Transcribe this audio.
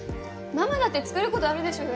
ママだって作る事あるでしょ！